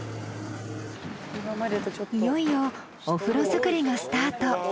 いよいよお風呂作りがスタート。